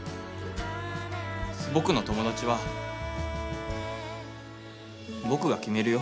僕の友達は僕が決めるよ。